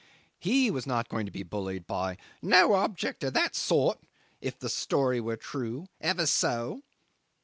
He was not going to be bullied by "no object of that sort," if the story were true "ever so"!